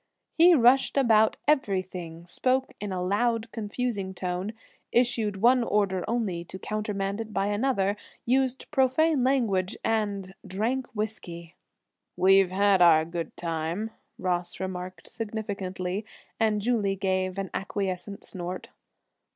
He rushed about everything, spoke in a loud, confusing tone, issued one order only to countermand it by another, used profane language and drank whisky. "We've had our good time," Ross remarked significantly, and Julie gave an acquiescent snort.